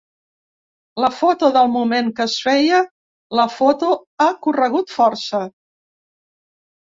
La foto del moment que es feia la foto ha corregut força.